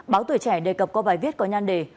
báo tuổi trẻ đề cập qua bài viết có nhan đề